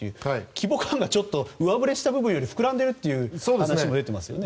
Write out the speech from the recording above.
規模感が上振れした部分よりも膨らんでいるという話も出てますよね。